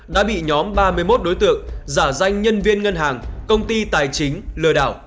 đã bị nhóm ba mươi một đối tượng giả danh nhân viên ngân hàng công ty tài chính lừa đảo